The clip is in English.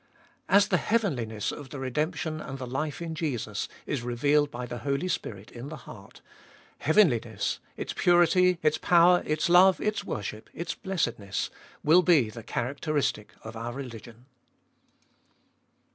As the heavenliness of the redemption and the life in Jesus is revealed by the Holy Spirit in the heart, heavenliness, its purity, its power, its love, its worship, its blessedness, will be the characteristic of our religion.